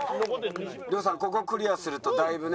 亮さんここをクリアするとだいぶね。